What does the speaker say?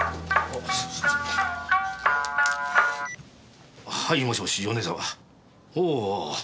おお。